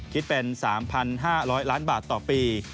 คิดเป็น๓๕๐๐ล้านบาทต่อปี